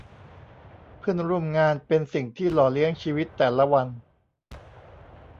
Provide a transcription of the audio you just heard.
เพื่อนร่วมงานเป็นสิ่งที่หล่อเลี้ยงชีวิตแต่ละวัน